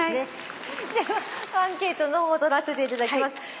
ではアンケートの方とらせていただきます。